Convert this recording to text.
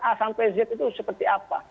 a sampai z itu seperti apa